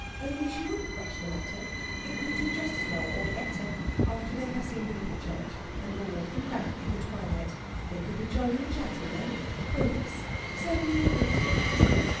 Only she wouldn't rush the matter; it would do just as well, or better, after they had seen the little church, and were walking back in the twilight. They could be jolly and chatty then. Oh yes, certainly a good deal better.